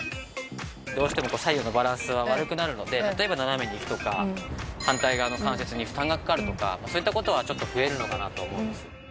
どうしてもこう左右のバランスが悪くなるので例えば斜めに行くとか反対側の関節に負担がかかるとかそういった事はちょっと増えるのかなと思います。